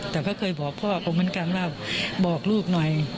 แต่ก็เคยบอกพ่อเขาเหมือนกันว่าบอกลูกหน่อย